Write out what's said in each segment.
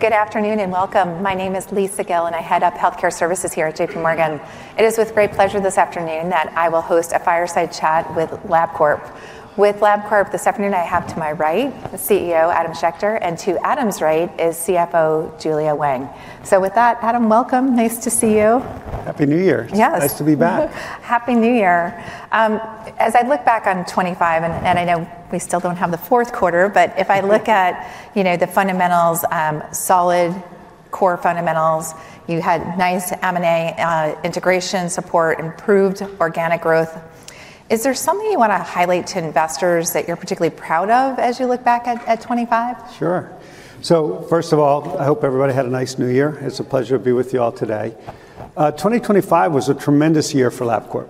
Good afternoon and welcome. My name is Lisa Gill, and I head up Healthcare Services here at J.P. Morgan. It is with great pleasure this afternoon that I will host a fireside chat with Labcorp. With Labcorp this afternoon, I have to my right the CEO, Adam Schechter, and to Adam's right is CFO, Julia Wang. So with that, Adam, welcome. Nice to see you. Happy New Year. Yes. Nice to be back. Happy New Year. As I look back on 2025, and I know we still don't have the fourth quarter, but if I look at the fundamentals, solid core fundamentals, you had nice M&A integration support, improved organic growth. Is there something you want to highlight to investors that you're particularly proud of as you look back at 2025? Sure. So first of all, I hope everybody had a nice New Year. It's a pleasure to be with you all today. 2025 was a tremendous year for Labcorp.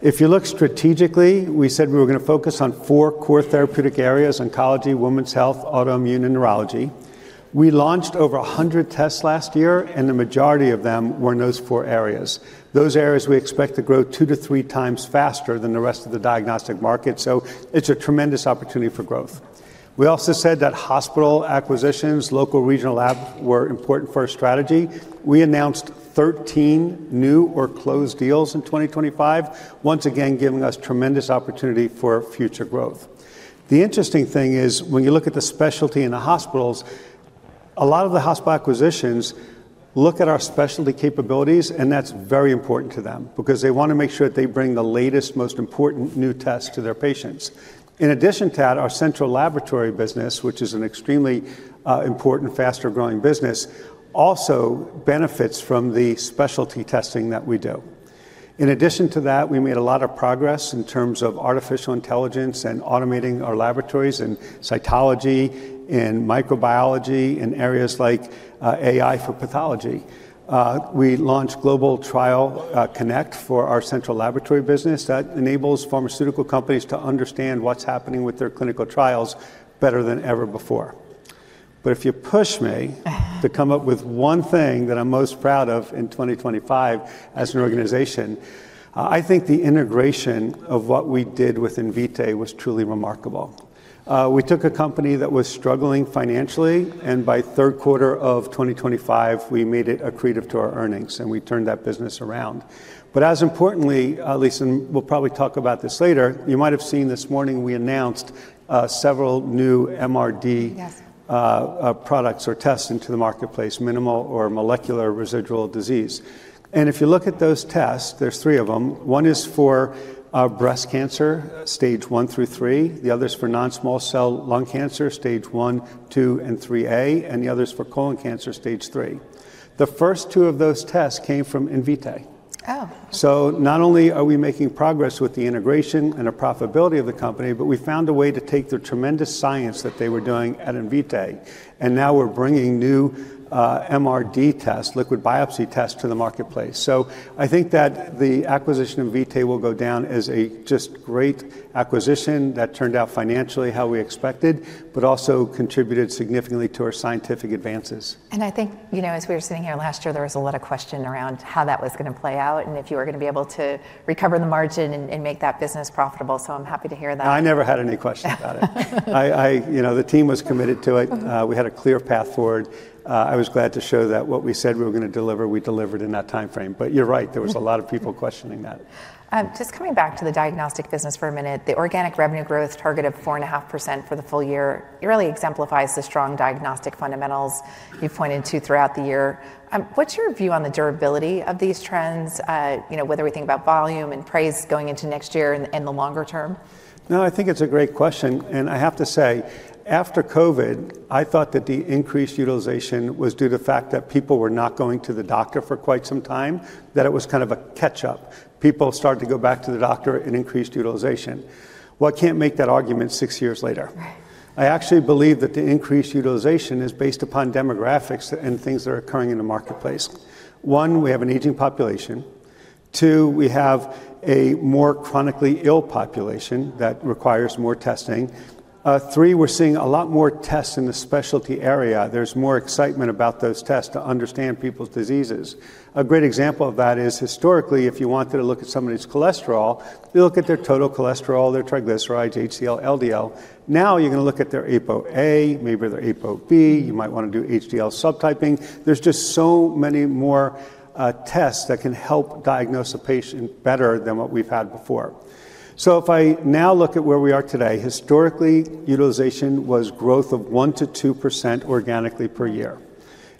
If you look strategically, we said we were going to focus on four core therapeutic areas: oncology, women's health, autoimmune, and neurology. We launched over 100 tests last year, and the majority of them were in those four areas. Those areas we expect to grow two to three times faster than the rest of the diagnostic market. So it's a tremendous opportunity for growth. We also said that hospital acquisitions, local, regional labs were important for our strategy. We announced 13 new or closed deals in 2025, once again giving us tremendous opportunity for future growth. The interesting thing is when you look at the specialty in the hospitals, a lot of the hospital acquisitions look at our specialty capabilities, and that's very important to them because they want to make sure that they bring the latest, most important new tests to their patients. In addition to that, our central laboratory business, which is an extremely important, faster-growing business, also benefits from the specialty testing that we do. In addition to that, we made a lot of progress in terms of artificial intelligence and automating our laboratories in cytology and microbiology in areas like AI for pathology. We launched Global Trial Connect for our central laboratory business that enables pharmaceutical companies to understand what's happening with their clinical trials better than ever before. But if you push me to come up with one thing that I'm most proud of in 2025 as an organization, I think the integration of what we did with Invitae was truly remarkable. We took a company that was struggling financially, and by third quarter of 2025, we made it accretive to our earnings, and we turned that business around. But as importantly, Lisa, and we'll probably talk about this later, you might have seen this morning we announced several new MRD products or tests into the marketplace, minimal or molecular residual disease, and if you look at those tests, there's three of them. One is for breast cancer, stage one through three. The other is for non-small cell lung cancer, stage one, two, and three A, and the other is for colon cancer, stage three. The first two of those tests came from Invitae. Oh. So not only are we making progress with the integration and the profitability of the company, but we found a way to take the tremendous science that they were doing at Invitae, and now we're bringing new MRD tests, liquid biopsy tests, to the marketplace. So I think that the acquisition of Invitae will go down as a just great acquisition that turned out financially how we expected, but also contributed significantly to our scientific advances. I think, you know, as we were sitting here last year, there was a lot of question around how that was going to play out and if you were going to be able to recover the margin and make that business profitable. So I'm happy to hear that. I never had any questions about it. The team was committed to it. We had a clear path forward. I was glad to show that what we said we were going to deliver, we delivered in that timeframe. But you're right, there was a lot of people questioning that. Just coming back to the diagnostic business for a minute, the organic revenue growth target of 4.5% for the full year really exemplifies the strong diagnostic fundamentals you've pointed to throughout the year. What's your view on the durability of these trends, whether we think about volume and pricing going into next year and the longer term? No, I think it's a great question, and I have to say, after COVID, I thought that the increased utilization was due to the fact that people were not going to the doctor for quite some time, that it was kind of a catch-up. People started to go back to the doctor and increased utilization, well, I can't make that argument six years later. I actually believe that the increased utilization is based upon demographics and things that are occurring in the marketplace. One, we have an aging population. Two, we have a more chronically ill population that requires more testing. Three, we're seeing a lot more tests in the specialty area. There's more excitement about those tests to understand people's diseases. A great example of that is historically, if you wanted to look at somebody's cholesterol, you look at their total cholesterol, their triglycerides, HDL, LDL. Now you're going to look at their Apo A, maybe their Apo B. You might want to do HDL subtyping. There's just so many more tests that can help diagnose a patient better than what we've had before. So if I now look at where we are today, historically, utilization was growth of 1%-2% organically per year.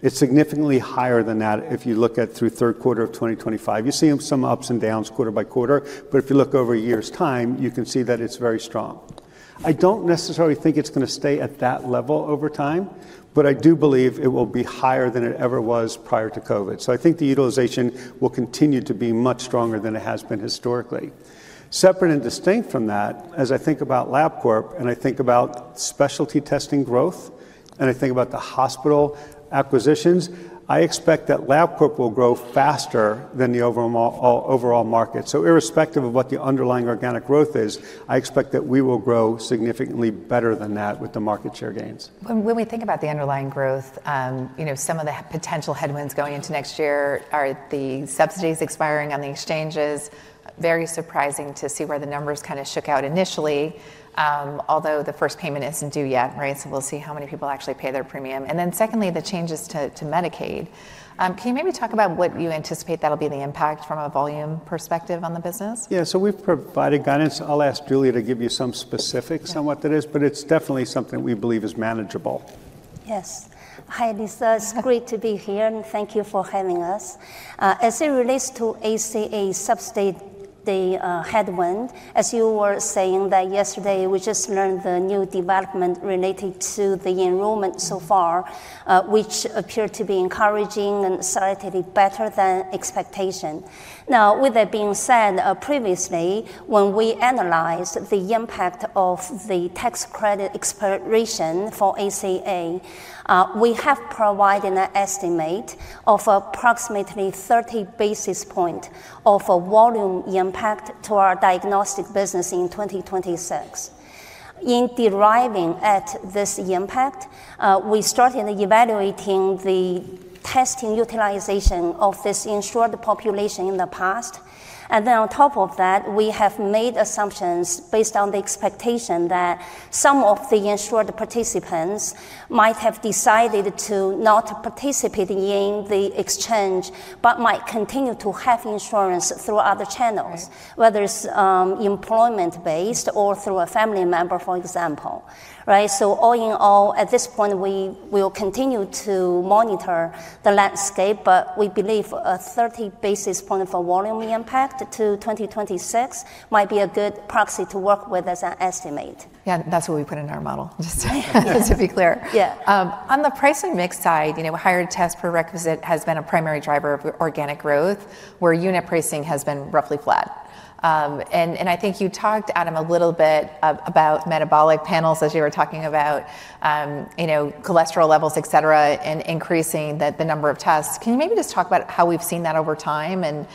It's significantly higher than that if you look at through third quarter of 2025. You see some ups and downs quarter by quarter, but if you look over a year's time, you can see that it's very strong. I don't necessarily think it's going to stay at that level over time, but I do believe it will be higher than it ever was prior to COVID. So I think the utilization will continue to be much stronger than it has been historically. Separate and distinct from that, as I think about Labcorp and I think about specialty testing growth and I think about the hospital acquisitions, I expect that Labcorp will grow faster than the overall market. So irrespective of what the underlying organic growth is, I expect that we will grow significantly better than that with the market share gains. When we think about the underlying growth, some of the potential headwinds going into next year are the subsidies expiring on the exchanges. Very surprising to see where the numbers kind of shook out initially, although the first payment isn't due yet. So we'll see how many people actually pay their premium. And then secondly, the changes to Medicaid. Can you maybe talk about what you anticipate that'll be the impact from a volume perspective on the business? Yeah, so we've provided guidance. I'll ask Julia to give you some specifics on what that is, but it's definitely something we believe is manageable. Yes. Hi, Lisa. It's great to be here, and thank you for having us. As it relates to ACA subsidy headwind, as you were saying that yesterday, we just learned the new development related to the enrollment so far, which appeared to be encouraging and slightly better than expectation. Now, with that being said, previously, when we analyzed the impact of the tax credit expiration for ACA, we have provided an estimate of approximately 30 basis points of volume impact to our diagnostic business in 2026. In arriving at this impact, we started evaluating the testing utilization of this insured population in the past. Then on top of that, we have made assumptions based on the expectation that some of the insured participants might have decided to not participate in the exchange, but might continue to have insurance through other channels, whether it's employment-based or through a family member, for example. All in all, at this point, we will continue to monitor the landscape, but we believe a 30 basis points of volume impact to 2026 might be a good proxy to work with as an estimate. Yeah, that's what we put in our model, just to be clear. On the pricing mix side, higher tests per requisition has been a primary driver of organic growth, where unit pricing has been roughly flat. And I think you talked, Adam, a little bit about metabolic panels as you were talking about cholesterol levels, et cetera, and increasing the number of tests. Can you maybe just talk about how we've seen that over time and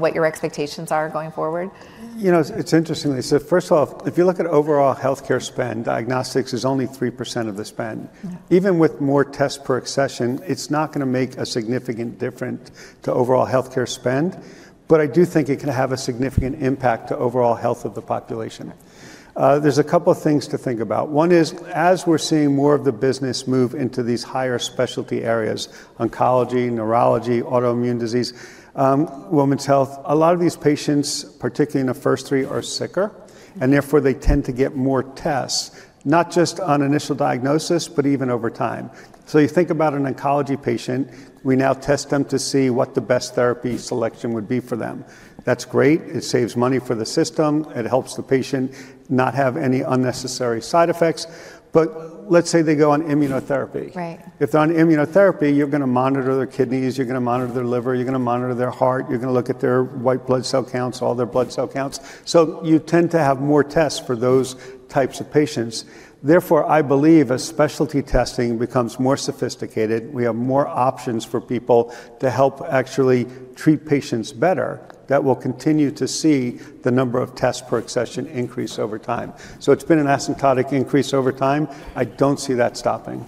what your expectations are going forward? You know, it's interesting, Lisa. First of all, if you look at overall healthcare spend, diagnostics is only 3% of the spend. Even with more tests per accession, it's not going to make a significant difference to overall healthcare spend, but I do think it can have a significant impact to overall health of the population. There's a couple of things to think about. One is, as we're seeing more of the business move into these higher specialty areas, oncology, neurology, autoimmune disease, women's health, a lot of these patients, particularly in the first three, are sicker, and therefore they tend to get more tests, not just on initial diagnosis, but even over time. So you think about an oncology patient, we now test them to see what the best therapy selection would be for them. That's great. It saves money for the system. It helps the patient not have any unnecessary side effects, but let's say they go on immunotherapy. If they're on immunotherapy, you're going to monitor their kidneys. You're going to monitor their liver. You're going to monitor their heart. You're going to look at their white blood cell counts, all their blood cell counts, so you tend to have more tests for those types of patients. Therefore, I believe as specialty testing becomes more sophisticated, we have more options for people to help actually treat patients better, that we'll continue to see the number of tests per accession increase over time, so it's been an asymptotic increase over time. I don't see that stopping.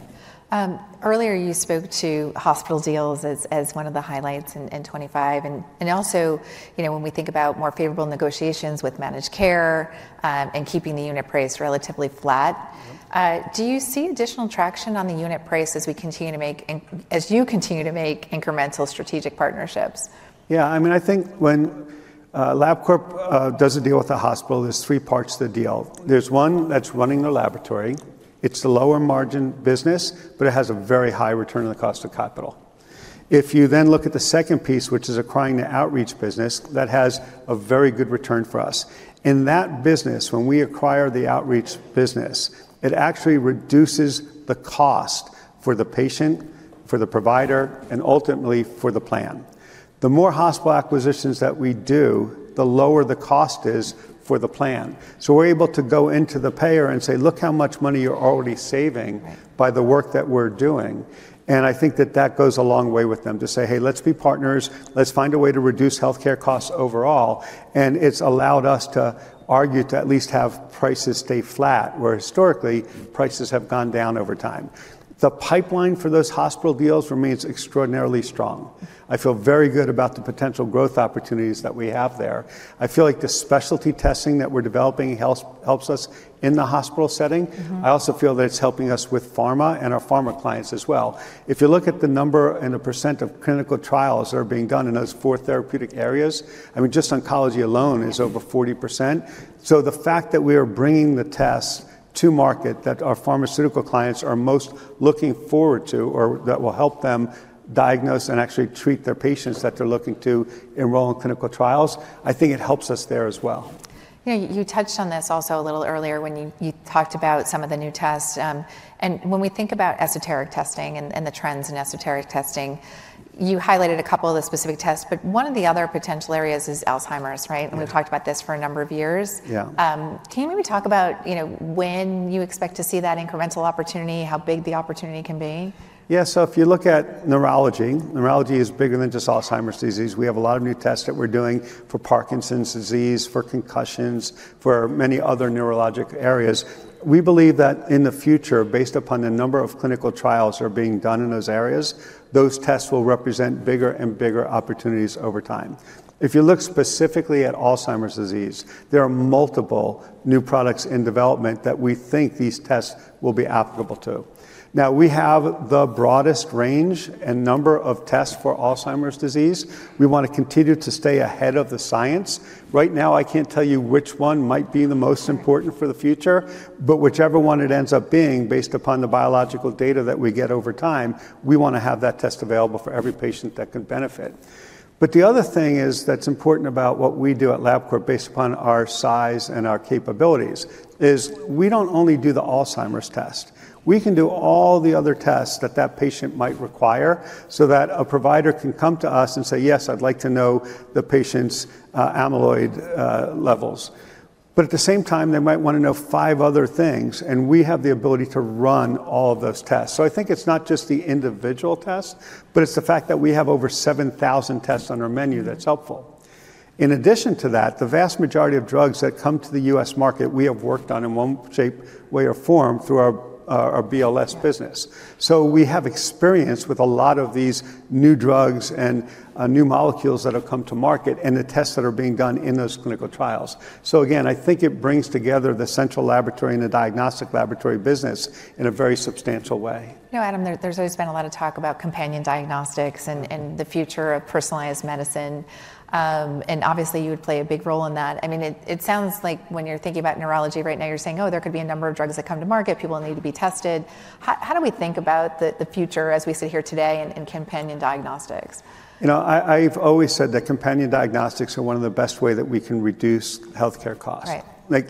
Earlier, you spoke to hospital deals as one of the highlights in 2025. And also, when we think about more favorable negotiations with managed care and keeping the unit price relatively flat, do you see additional traction on the unit price as you continue to make incremental strategic partnerships? Yeah, I mean, I think when Labcorp does a deal with a hospital, there's three parts to the deal. There's one that's running the laboratory. It's a lower margin business, but it has a very high return on the cost of capital. If you then look at the second piece, which is acquiring the outreach business, that has a very good return for us. In that business, when we acquire the outreach business, it actually reduces the cost for the patient, for the provider, and ultimately for the plan. The more hospital acquisitions that we do, the lower the cost is for the plan. So we're able to go into the payer and say, "Look how much money you're already saving by the work that we're doing." And I think that that goes a long way with them to say, "Hey, let's be partners. Let's find a way to reduce healthcare costs overall," and it's allowed us to argue to at least have prices stay flat, where historically, prices have gone down over time. The pipeline for those hospital deals remains extraordinarily strong. I feel very good about the potential growth opportunities that we have there. I feel like the specialty testing that we're developing helps us in the hospital setting. I also feel that it's helping us with pharma and our pharma clients as well. If you look at the number and the percent of clinical trials that are being done in those four therapeutic areas, I mean, just oncology alone is over 40%. So the fact that we are bringing the tests to market that our pharmaceutical clients are most looking forward to or that will help them diagnose and actually treat their patients that they're looking to enroll in clinical trials, I think it helps us there as well. Yeah, you touched on this also a little earlier when you talked about some of the new tests, and when we think about esoteric testing and the trends in esoteric testing, you highlighted a couple of the specific tests, but one of the other potential areas is Alzheimer's, right, and we've talked about this for a number of years. Can you maybe talk about when you expect to see that incremental opportunity, how big the opportunity can be? Yeah, so if you look at neurology, neurology is bigger than just Alzheimer’s disease. We have a lot of new tests that we're doing for Parkinson's disease, for concussions, for many other neurologic areas. We believe that in the future, based upon the number of clinical trials that are being done in those areas, those tests will represent bigger and bigger opportunities over time. If you look specifically at Alzheimer’s disease, there are multiple new products in development that we think these tests will be applicable to. Now, we have the broadest range and number of tests for Alzheimer’s disease. We want to continue to stay ahead of the science. Right now, I can't tell you which one might be the most important for the future, but whichever one it ends up being, based upon the biological data that we get over time, we want to have that test available for every patient that can benefit. But the other thing is that's important about what we do at Labcorp based upon our size and our capabilities is we don't only do the Alzheimer's test. We can do all the other tests that that patient might require so that a provider can come to us and say, "Yes, I'd like to know the patient's amyloid levels." But at the same time, they might want to know five other things, and we have the ability to run all of those tests. So I think it's not just the individual test, but it's the fact that we have over 7,000 tests on our menu that's helpful. In addition to that, the vast majority of drugs that come to the U.S. market. We have worked on in one shape, way, or form through our BLS business. So we have experience with a lot of these new drugs and new molecules that have come to market and the tests that are being done in those clinical trials. So again, I think it brings together the central laboratory and the diagnostic laboratory business in a very substantial way. You know, Adam, there's always been a lot of talk about companion diagnostics and the future of personalized medicine. And obviously, you would play a big role in that. I mean, it sounds like when you're thinking about neurology right now, you're saying, "Oh, there could be a number of drugs that come to market. People need to be tested." How do we think about the future as we sit here today in companion diagnostics? You know, I've always said that companion diagnostics are one of the best ways that we can reduce healthcare costs.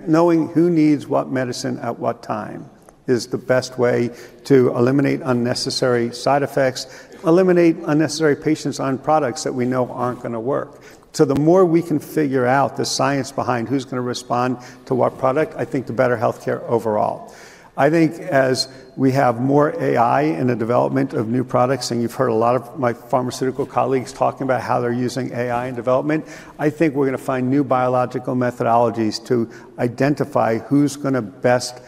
Knowing who needs what medicine at what time is the best way to eliminate unnecessary side effects, eliminate unnecessary patients on products that we know aren't going to work. So the more we can figure out the science behind who's going to respond to what product, I think the better healthcare overall. I think as we have more AI in the development of new products, and you've heard a lot of my pharmaceutical colleagues talking about how they're using AI in development, I think we're going to find new biological methodologies to identify who's going to best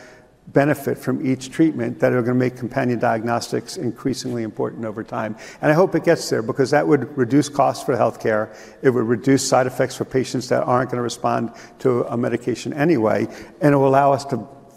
benefit from each treatment that are going to make companion diagnostics increasingly important over time. And I hope it gets there because that would reduce costs for healthcare. It would reduce side effects for patients that aren't going to respond to a medication anyway, and it will allow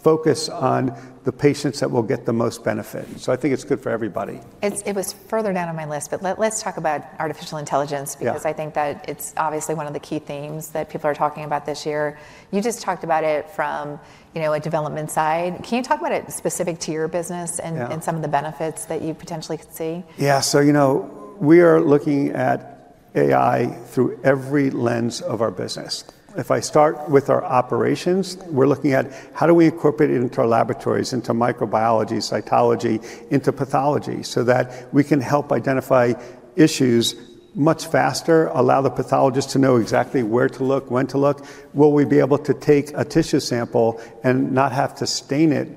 us to focus on the patients that will get the most benefit. So I think it's good for everybody. It was further down on my list, but let's talk about artificial intelligence because I think that it's obviously one of the key themes that people are talking about this year. You just talked about it from a development side. Can you talk about it specific to your business and some of the benefits that you potentially could see? Yeah, so you know we are looking at AI through every lens of our business. If I start with our operations, we're looking at how do we incorporate it into our laboratories, into microbiology, cytology, into pathology so that we can help identify issues much faster, allow the pathologist to know exactly where to look, when to look. Will we be able to take a tissue sample and not have to stain it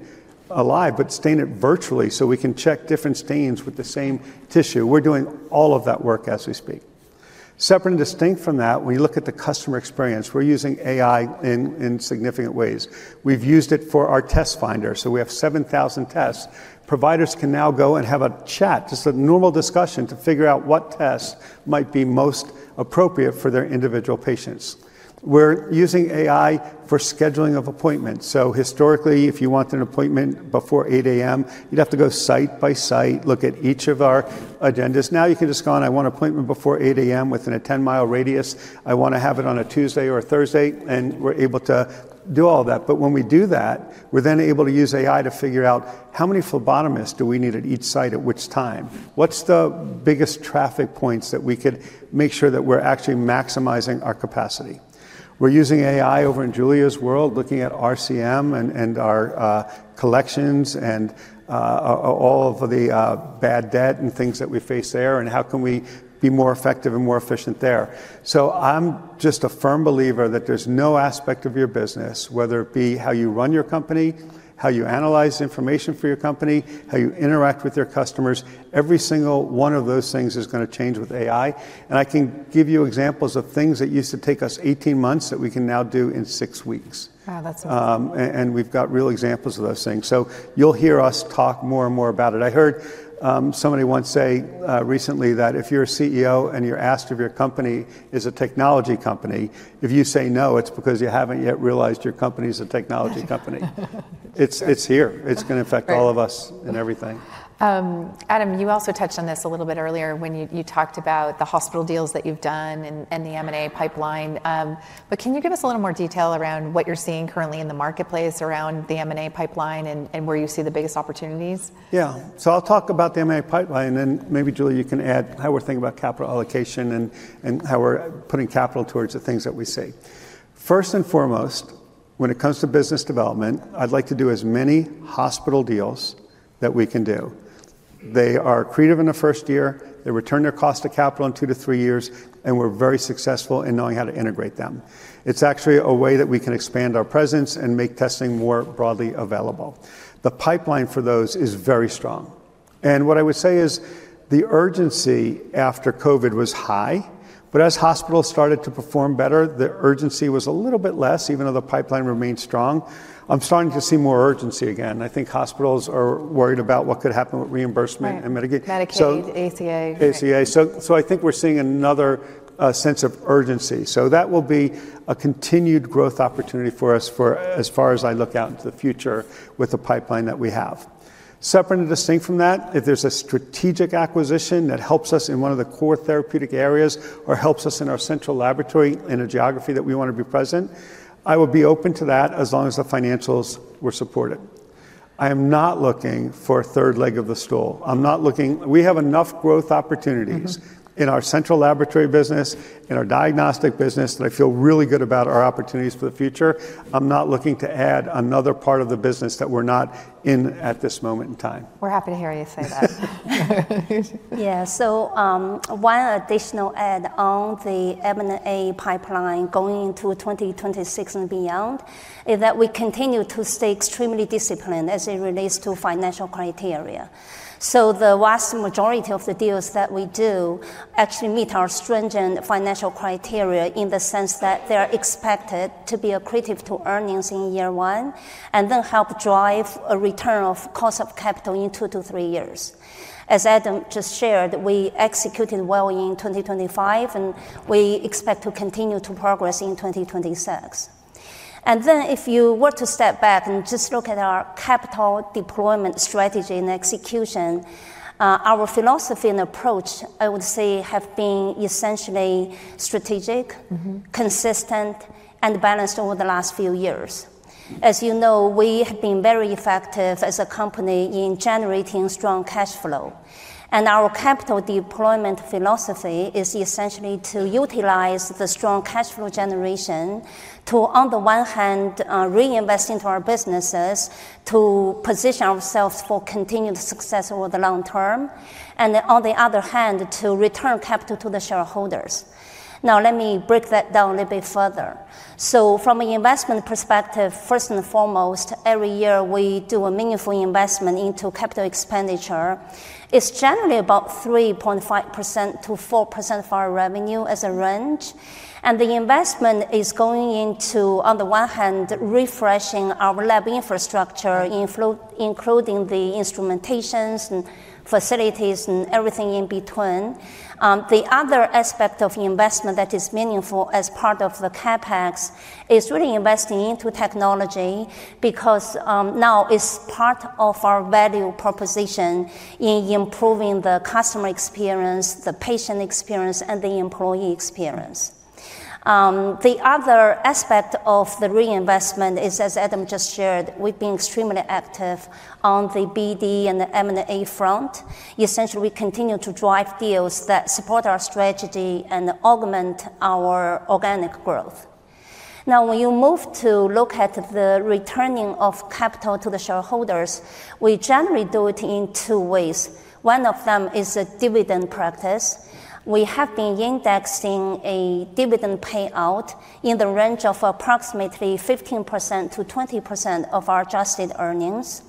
alive, but stain it virtually so we can check different stains with the same tissue? We're doing all of that work as we speak. Separate and distinct from that, when you look at the customer experience, we're using AI in significant ways. We've used it for our Test Finder, so we have 7,000 tests. Providers can now go and have a chat, just a normal discussion to figure out what tests might be most appropriate for their individual patients. We're using AI for scheduling of appointments. So historically, if you want an appointment before 8:00 A.M., you'd have to go site by site, look at each of our agendas. Now you can just go on, "I want an appointment before 8:00 A.M. within a 10-mile radius. I want to have it on a Tuesday or a Thursday." And we're able to do all that. But when we do that, we're then able to use AI to figure out how many phlebotomists do we need at each site, at which time, what's the biggest traffic points that we could make sure that we're actually maximizing our capacity. We're using AI over in Julia's world, looking at RCM and our collections and all of the bad debt and things that we face there and how we can be more effective and more efficient there. So I'm just a firm believer that there's no aspect of your business, whether it be how you run your company, how you analyze information for your company, how you interact with your customers, every single one of those things is going to change with AI. And I can give you examples of things that used to take us 18 months that we can now do in six weeks. Wow, that's amazing. And we've got real examples of those things. So you'll hear us talk more and more about it. I heard somebody once say recently that if you're a CEO and you're asked if your company is a technology company, if you say no, it's because you haven't yet realized your company is a technology company. It's here. It's going to affect all of us and everything. Adam, you also touched on this a little bit earlier when you talked about the hospital deals that you've done and the M&A pipeline. But can you give us a little more detail around what you're seeing currently in the marketplace around the M&A pipeline and where you see the biggest opportunities? Yeah, so I'll talk about the M&A pipeline, and then maybe Julia, you can add how we're thinking about capital allocation and how we're putting capital towards the things that we see. First and foremost, when it comes to business development, I'd like to do as many hospital deals that we can do. They are creative in the first year. They return their cost of capital in two to three years, and we're very successful in knowing how to integrate them. It's actually a way that we can expand our presence and make testing more broadly available. The pipeline for those is very strong. And what I would say is the urgency after COVID was high, but as hospitals started to perform better, the urgency was a little bit less, even though the pipeline remained strong. I'm starting to see more urgency again. I think hospitals are worried about what could happen with reimbursement and. Medicaid, ACA. ACA. So I think we're seeing another sense of urgency. So that will be a continued growth opportunity for us as far as I look out into the future with the pipeline that we have. Separate and distinct from that, if there's a strategic acquisition that helps us in one of the core therapeutic areas or helps us in our central laboratory in a geography that we want to be present, I will be open to that as long as the financials were supported. I am not looking for a third leg of the stool. I'm not looking. We have enough growth opportunities in our central laboratory business, in our diagnostic business that I feel really good about our opportunities for the future. I'm not looking to add another part of the business that we're not in at this moment in time. We're happy to hear you say that. Yeah, so one additional add on the M&A pipeline going into 2026 and beyond is that we continue to stay extremely disciplined as it relates to financial criteria. So the vast majority of the deals that we do actually meet our stringent financial criteria in the sense that they are expected to be accretive to earnings in year one and then help drive a return of cost of capital in two to three years. As Adam just shared, we executed well in 2025, and we expect to continue to progress in 2026. If you were to step back and just look at our capital deployment strategy and execution, our philosophy and approach, I would say, have been essentially strategic, consistent, and balanced over the last few years. As you know, we have been very effective as a company in generating strong cash flow. Our capital deployment philosophy is essentially to utilize the strong cash flow generation to, on the one hand, reinvest into our businesses to position ourselves for continued success over the long term, and on the other hand, to return capital to the shareholders. Now, let me break that down a little bit further. So from an investment perspective, first and foremost, every year we do a meaningful investment into capital expenditure. It's generally about 3.5%-4% of our revenue as a range. And the investment is going into, on the one hand, refreshing our lab infrastructure, including the instrumentations and facilities and everything in between. The other aspect of investment that is meaningful as part of the CapEx is really investing into technology because now it's part of our value proposition in improving the customer experience, the patient experience, and the employee experience. The other aspect of the reinvestment is, as Adam just shared, we've been extremely active on the BD and the M&A front. Essentially, we continue to drive deals that support our strategy and augment our organic growth. Now, when you move to look at the returning of capital to the shareholders, we generally do it in two ways. One of them is a dividend practice. We have been indexing a dividend payout in the range of approximately 15%-20% of our adjusted earnings.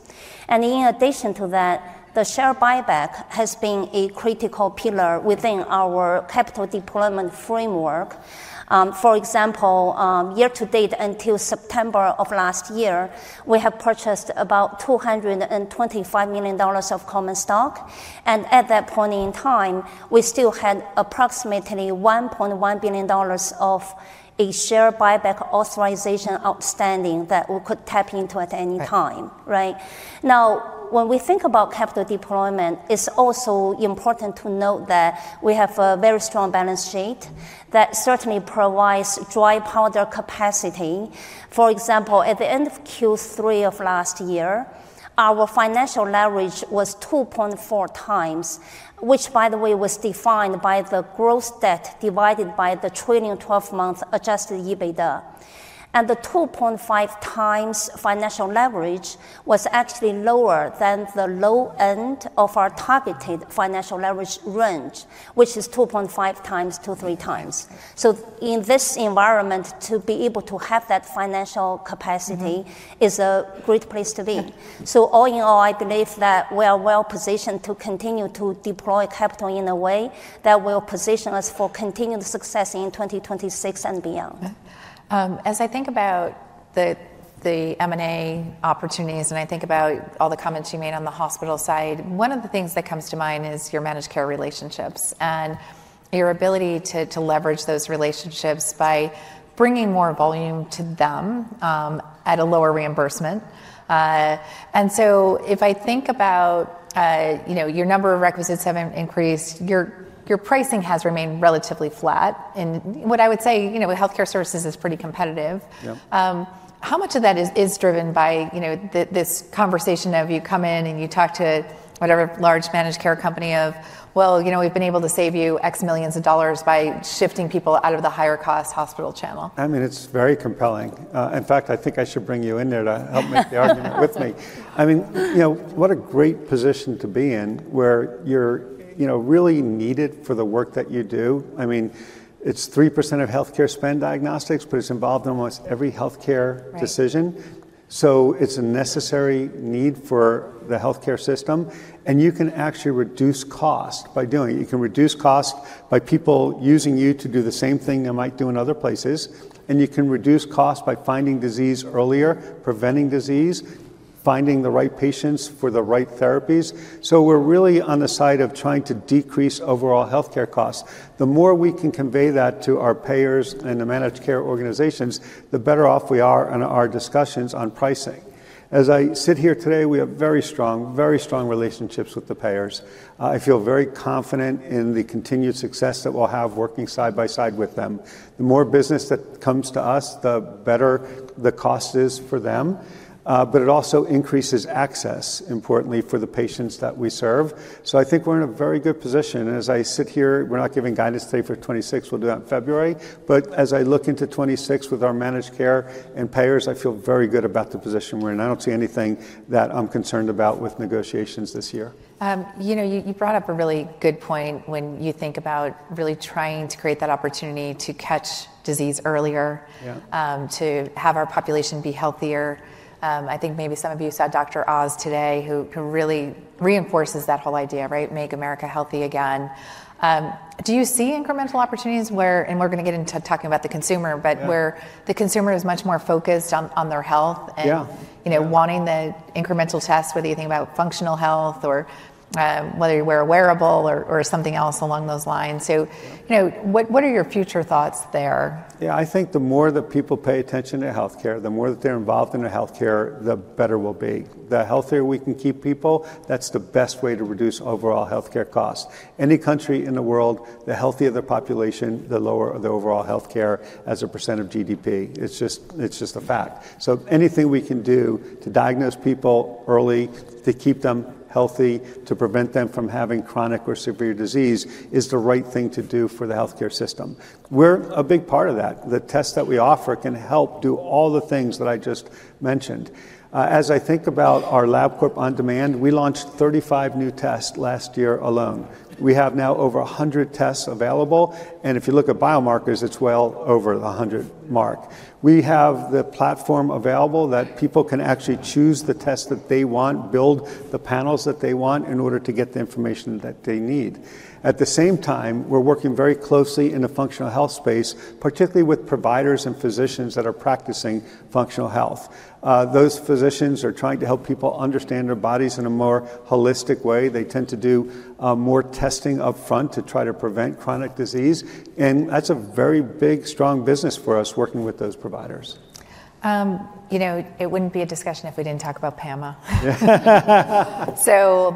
And in addition to that, the share buyback has been a critical pillar within our capital deployment framework. For example, year to date until September of last year, we have purchased about $225 million of common stock. And at that point in time, we still had approximately $1.1 billion of a share buyback authorization outstanding that we could tap into at any time. Now, when we think about capital deployment, it's also important to note that we have a very strong balance sheet that certainly provides dry powder capacity. For example, at the end of Q3 of last year, our financial leverage was 2.4x, which, by the way, was defined by the gross debt divided by the trailing 12-month adjusted EBITDA. And the 2.5x financial leverage was actually lower than the low end of our targeted financial leverage range, which is 2.5-3 x. So in this environment, to be able to have that financial capacity is a great place to be. So all in all, I believe that we are well positioned to continue to deploy capital in a way that will position us for continued success in 2026 and beyond. As I think about the M&A opportunities and I think about all the comments you made on the hospital side, one of the things that comes to mind is your managed care relationships and your ability to leverage those relationships by bringing more volume to them at a lower reimbursement. And so if I think about your number of requisitions having increased, your pricing has remained relatively flat. And what I would say, healthcare services is pretty competitive. How much of that is driven by this conversation of you come in and you talk to whatever large managed care company of, "Well, you know we've been able to save you X million of dollars by shifting people out of the higher cost hospital channel"? I mean, it's very compelling. In fact, I think I should bring you in there to help make the argument with me. I mean, what a great position to be in where you're really needed for the work that you do. I mean, it's 3% of healthcare spend diagnostics, but it's involved in almost every healthcare decision. So it's a necessary need for the healthcare system. And you can actually reduce cost by doing it. You can reduce cost by people using you to do the same thing they might do in other places. And you can reduce cost by finding disease earlier, preventing disease, finding the right patients for the right therapies. So we're really on the side of trying to decrease overall healthcare costs. The more we can convey that to our payers and the managed care organizations, the better off we are in our discussions on pricing. As I sit here today, we have very strong, very strong relationships with the payers. I feel very confident in the continued success that we'll have working side by side with them. The more business that comes to us, the better the cost is for them. But it also increases access, importantly, for the patients that we serve. So I think we're in a very good position. As I sit here, we're not giving guidance today for 2026. We'll do that in February. But as I look into 2026 with our managed care and payers, I feel very good about the position we're in. I don't see anything that I'm concerned about with negotiations this year. You brought up a really good point when you think about really trying to create that opportunity to catch disease earlier, to have our population be healthier. I think maybe some of you saw Dr. Oz today, who really reinforces that whole idea, right? Make America Healthy Again. Do you see incremental opportunities where, and we're going to get into talking about the consumer, but where the consumer is much more focused on their health and wanting the incremental tests, whether you think about functional health or whether you wear a wearable or something else along those lines? So what are your future thoughts there? Yeah, I think the more that people pay attention to healthcare, the more that they're involved in healthcare, the better we'll be. The healthier we can keep people, that's the best way to reduce overall healthcare costs. Any country in the world, the healthier the population, the lower the overall healthcare as a percent of GDP. It's just a fact. So anything we can do to diagnose people early, to keep them healthy, to prevent them from having chronic or severe disease is the right thing to do for the healthcare system. We're a big part of that. The tests that we offer can help do all the things that I just mentioned. As I think about our Labcorp OnDemand, we launched 35 new tests last year alone. We have now over 100 tests available. And if you look at biomarkers, it's well over the 100 mark. We have the platform available that people can actually choose the tests that they want, build the panels that they want in order to get the information that they need. At the same time, we're working very closely in the functional health space, particularly with providers and physicians that are practicing functional health. Those physicians are trying to help people understand their bodies in a more holistic way. They tend to do more testing upfront to try to prevent chronic disease, and that's a very big, strong business for us working with those providers. It wouldn't be a discussion if we didn't talk about PAMA. So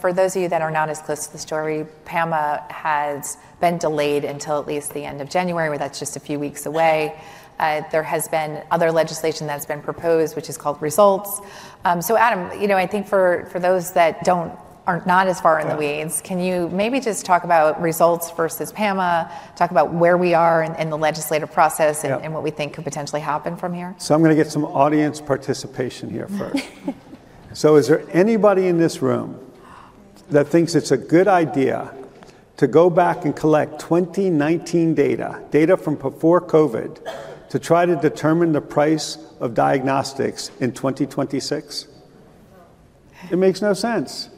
for those of you that are not as close to the story, PAMA has been delayed until at least the end of January, where that's just a few weeks away. There has been other legislation that's been proposed, which is called Results. So Adam, you know I think for those that aren't not as far in the weeds, can you maybe just talk about Results versus PAMA, talk about where we are in the legislative process and what we think could potentially happen from here? So I'm going to get some audience participation here first. So is there anybody in this room that thinks it's a good idea to go back and collect 2019 data, data from before COVID, to try to determine the price of diagnostics in 2026? It makes no sense.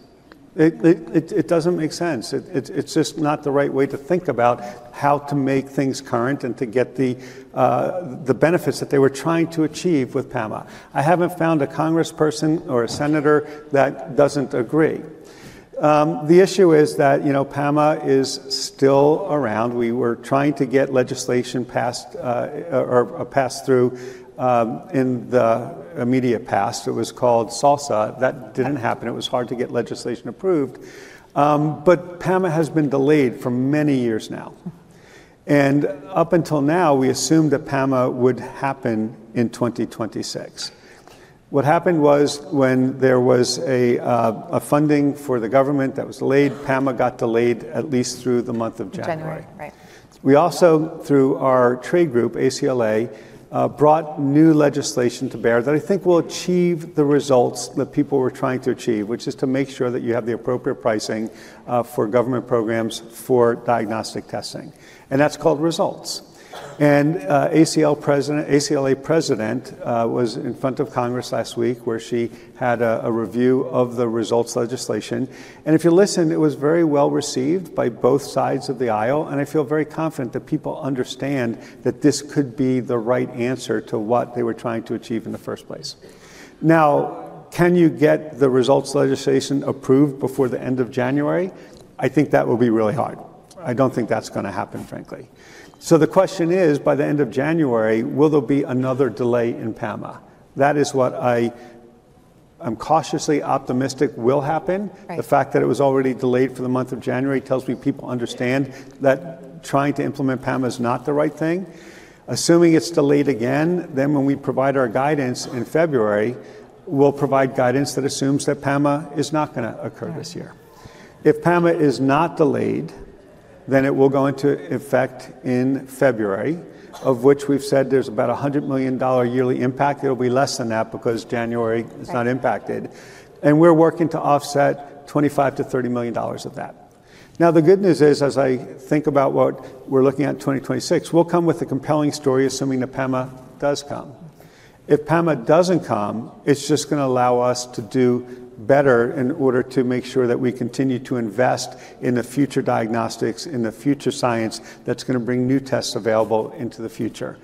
It doesn't make sense. It's just not the right way to think about how to make things current and to get the benefits that they were trying to achieve with PAMA. I haven't found a congressperson or a senator that doesn't agree. The issue is that PAMA is still around. We were trying to get legislation passed through in the immediate past. It was called SALSA. That didn't happen. It was hard to get legislation approved. But PAMA has been delayed for many years now. And up until now, we assumed that PAMA would happen in 2026. What happened was when there was funding for the government that was delayed, PAMA got delayed at least through the month of January. January, right. We also, through our trade group, ACLA, brought new legislation to bear that I think will achieve the results that people were trying to achieve, which is to make sure that you have the appropriate pricing for government programs for diagnostic testing, and that's called Results. ACLA president was in front of Congress last week where she had a review of the Results legislation, and if you listen, it was very well received by both sides of the aisle, and I feel very confident that people understand that this could be the right answer to what they were trying to achieve in the first place. Now, can you get the Results legislation approved before the end of January? I think that will be really hard. I don't think that's going to happen, frankly, so the question is, by the end of January, will there be another delay in PAMA? That is what I am cautiously optimistic will happen. The fact that it was already delayed for the month of January tells me people understand that trying to implement PAMA is not the right thing. Assuming it's delayed again, then when we provide our guidance in February, we'll provide guidance that assumes that PAMA is not going to occur this year. If PAMA is not delayed, then it will go into effect in February, of which we've said there's about a $100 million yearly impact. It'll be less than that because January is not impacted. And we're working to offset $25 million-$30 million of that. Now, the good news is, as I think about what we're looking at in 2026, we'll come with a compelling story assuming that PAMA does come. If PAMA doesn't come, it's just going to allow us to do better in order to make sure that we continue to invest in the future diagnostics, in the future science that's going to bring new tests available into the future.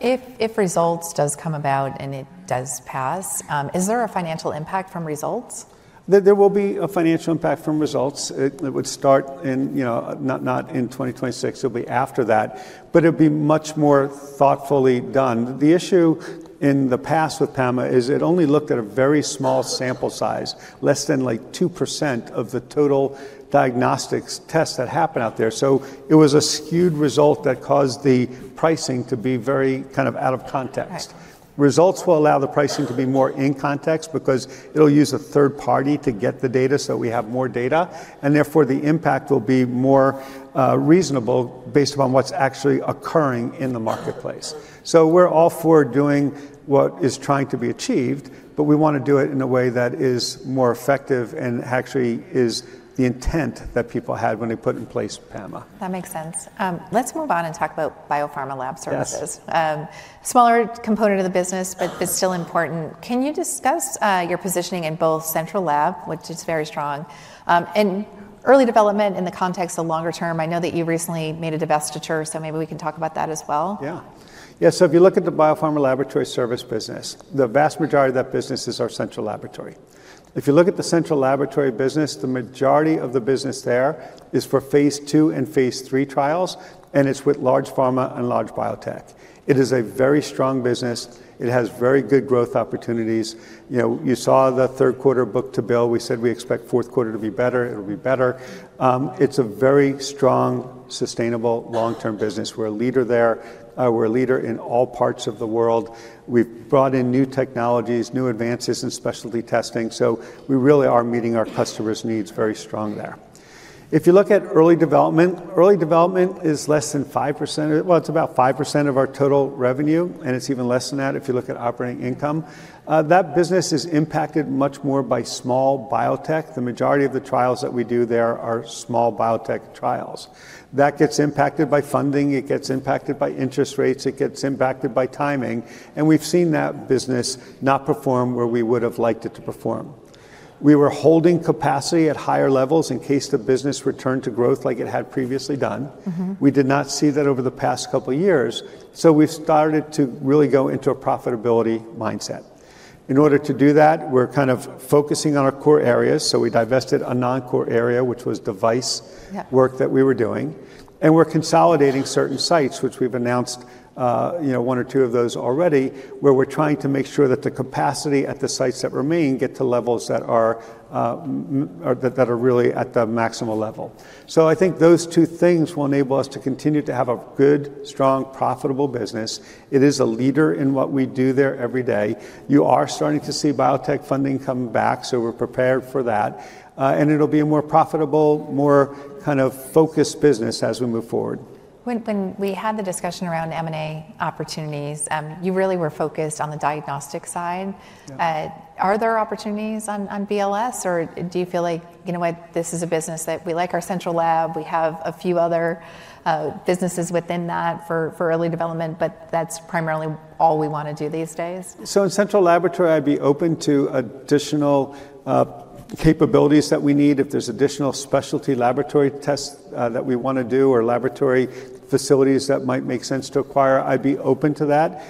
If Results does come about and it does pass, is there a financial impact from Results? There will be a financial impact from Results. It would start not in 2026. It'll be after that, but it'll be much more thoughtfully done. The issue in the past with PAMA is it only looked at a very small sample size, less than like 2% of the total diagnostics tests that happen out there. So it was a skewed result that caused the pricing to be very kind of out of context. Results will allow the pricing to be more in context because it'll use a third party to get the data so we have more data, and therefore, the impact will be more reasonable based upon what's actually occurring in the marketplace. So we're all for doing what is trying to be achieved, but we want to do it in a way that is more effective and actually is the intent that people had when they put in place PAMA. That makes sense. Let's move on and talk about Biopharma Lab Services. Smaller component of the business, but still important. Can you discuss your positioning in both central lab, which is very strong, and early development in the context of longer term? I know that you recently made a divestiture, so maybe we can talk about that as well. Yeah. Yeah. So if you look at the Biopharma Lab Services business, the vast majority of that business is our central laboratory. If you look at the central laboratory business, the majority of the business there is for phase II and phase III trials, and it's with large pharma and large biotech. It is a very strong business. It has very good growth opportunities. You saw the third quarter book to bill. We said we expect fourth quarter to be better. It'll be better. It's a very strong, sustainable, long-term business. We're a leader there. We're a leader in all parts of the world. We've brought in new technologies, new advances in specialty testing. So we really are meeting our customers' needs very strong there. If you look at Early Development, Early Development is less than 5%. Well, it's about 5% of our total revenue, and it's even less than that if you look at operating income. That business is impacted much more by small biotech. The majority of the trials that we do there are small biotech trials. That gets impacted by funding. It gets impacted by interest rates. It gets impacted by timing. And we've seen that business not perform where we would have liked it to perform. We were holding capacity at higher levels in case the business returned to growth like it had previously done. We did not see that over the past couple of years. So we've started to really go into a profitability mindset. In order to do that, we're kind of focusing on our core areas. So we divested a non-core area, which was device work that we were doing. And we're consolidating certain sites, which we've announced one or two of those already, where we're trying to make sure that the capacity at the sites that remain get to levels that are really at the maximum level. So I think those two things will enable us to continue to have a good, strong, profitable business. It is a leader in what we do there every day. You are starting to see biotech funding come back, so we're prepared for that. And it'll be a more profitable, more kind of focused business as we move forward. When we had the discussion around M&A opportunities, you really were focused on the diagnostic side. Are there opportunities on BLS, or do you feel like, you know what, this is a business that we like our central lab? We have a few other businesses within that for early development, but that's primarily all we want to do these days. So in central laboratory, I'd be open to additional capabilities that we need. If there's additional specialty laboratory tests that we want to do or laboratory facilities that might make sense to acquire, I'd be open to that.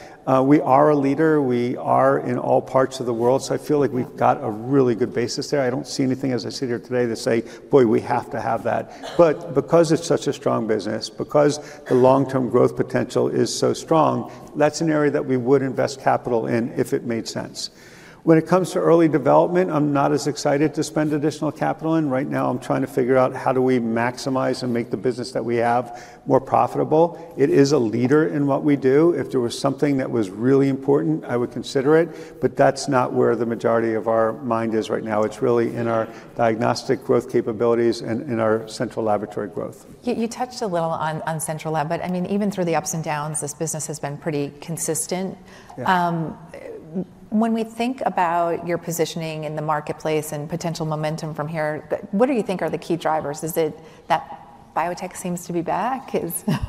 We are a leader. We are in all parts of the world. So I feel like we've got a really good basis there. I don't see anything, as I sit here today, to say, boy, we have to have that. But because it's such a strong business, because the long-term growth potential is so strong, that's an area that we would invest capital in if it made sense. When it comes to early development, I'm not as excited to spend additional capital in. Right now, I'm trying to figure out how do we maximize and make the business that we have more profitable. It is a leader in what we do. If there was something that was really important, I would consider it. But that's not where the majority of our mind is right now. It's really in our diagnostic growth capabilities and in our central laboratory growth. You touched a little on central lab, but I mean, even through the ups and downs, this business has been pretty consistent. When we think about your positioning in the marketplace and potential momentum from here, what do you think are the key drivers? Is it that biotech seems to be back?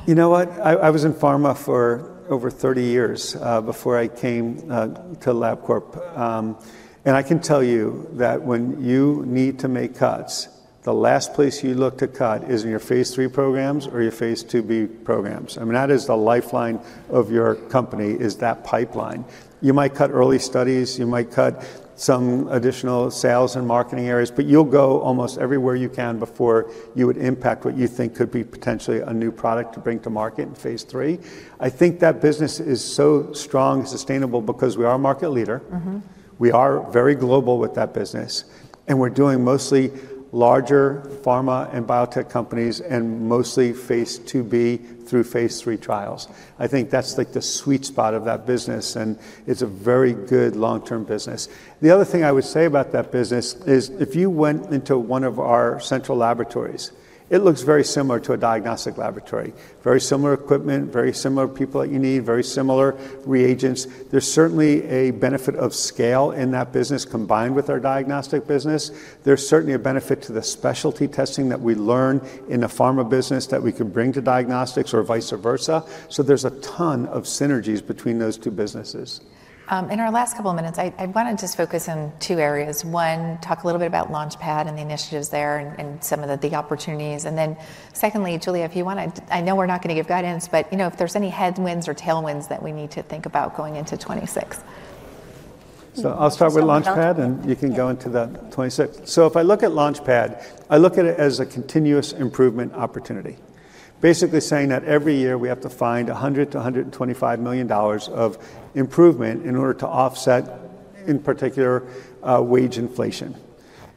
You know what? I was in pharma for over 30 years before I came to Labcorp. And I can tell you that when you need to make cuts, the last place you look to cut is in your phase III programs or your phase IIb programs. I mean, that is the lifeline of your company. That pipeline. You might cut early studies. You might cut some additional sales and marketing areas, but you'll go almost everywhere you can before you would impact what you think could be potentially a new product to bring to market in phase III. I think that business is so strong and sustainable because we are a market leader. We are very global with that business. And we're doing mostly larger pharma and biotech companies and mostly phase IIb through phase III trials. I think that's like the sweet spot of that business. It's a very good long-term business. The other thing I would say about that business is if you went into one of our central laboratories, it looks very similar to a diagnostic laboratory. Very similar equipment, very similar people that you need, very similar reagents. There's certainly a benefit of scale in that business combined with our diagnostic business. There's certainly a benefit to the specialty testing that we learn in the pharma business that we could bring to diagnostics or vice versa. There's a ton of synergies between those two businesses. In our last couple of minutes, I want to just focus on two areas. One, talk a little bit about Launchpad and the initiatives there and some of the opportunities. And then secondly, Julia, if you want to, I know we're not going to give guidance, but you know if there's any headwinds or tailwinds that we need to think about going into 2026. I'll start with Launchpad, and you can go into that 2026. If I look at Launchpad, I look at it as a continuous improvement opportunity, basically saying that every year we have to find $100 million-$125 million of improvement in order to offset, in particular, wage inflation.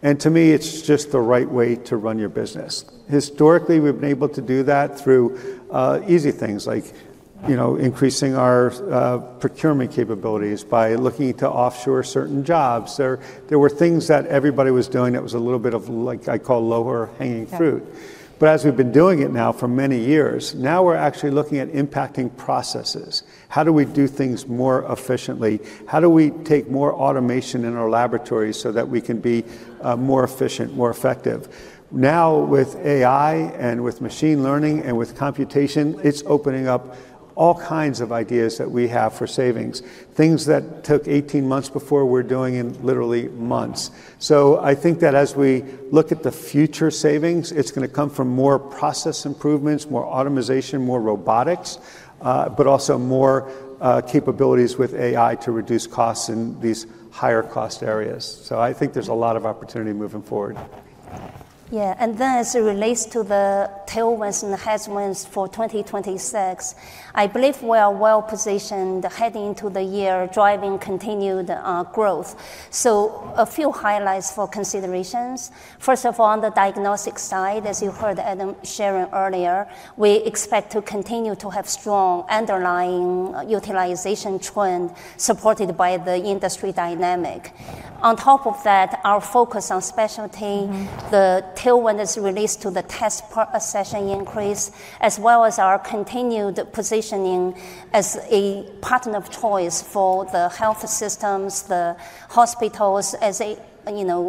And to me, it's just the right way to run your business. Historically, we've been able to do that through easy things like increasing our procurement capabilities by looking to offshore certain jobs. There were things that everybody was doing that was a little bit of, like I call, lower hanging fruit. But as we've been doing it now for many years, now we're actually looking at impacting processes. How do we do things more efficiently? How do we take more automation in our laboratories so that we can be more efficient, more effective? Now, with AI and with machine learning and with computation, it's opening up all kinds of ideas that we have for savings, things that took 18 months before we're doing in literally months. So I think that as we look at the future savings, it's going to come from more process improvements, more automation, more robotics, but also more capabilities with AI to reduce costs in these higher cost areas. So I think there's a lot of opportunity moving forward. Yeah. And then as it relates to the tailwinds and the headwinds for 2026, I believe we are well positioned heading into the year driving continued growth. So a few highlights for considerations. First of all, on the diagnostic side, as you heard Adam sharing earlier, we expect to continue to have strong underlying utilization trend supported by the industry dynamic. On top of that, our focus on specialty, the tailwind as it relates to the test session increase, as well as our continued positioning as a partner of choice for the health systems, the hospitals as it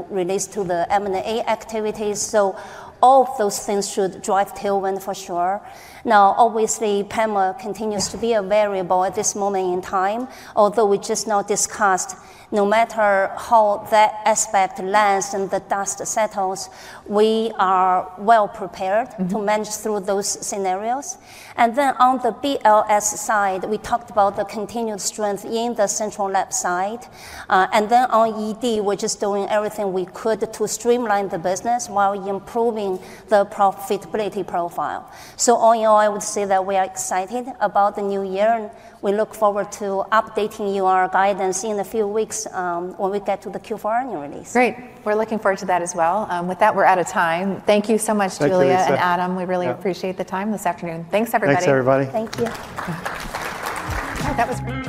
relates to the M&A activities. So all of those things should drive tailwind for sure. Now, obviously, PAMA continues to be a variable at this moment in time, although we just now discussed, no matter how that aspect lands and the dust settles, we are well prepared to manage through those scenarios. And then on the BLS side, we talked about the continued strength in the central lab side. And then on ED, we're just doing everything we could to streamline the business while improving the profitability profile. So all in all, I would say that we are excited about the new year, and we look forward to updating you on our guidance in a few weeks when we get to the Q4 annual release. Great. We're looking forward to that as well. With that, we're out of time. Thank you so much, Julia and Adam. We really appreciate the time this afternoon. Thanks, everybody. Thanks, everybody. Thank you. That was great.